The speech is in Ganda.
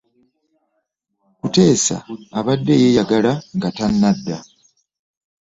Kuteesa abadde yeeyagala nga tannadda.